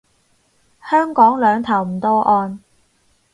香港兩頭唔到岸